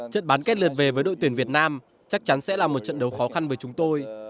trận bán kết lượt về với đội tuyển việt nam chắc chắn sẽ là một trận đấu khó khăn với chúng tôi